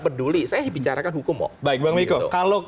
peduli saya bicarakan hukum oh baik bang mikko